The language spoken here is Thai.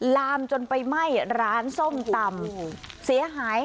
ลามจนไปไหม้ร้านส้มตำเสียหาย